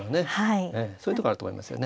そういうとこあると思いますよね。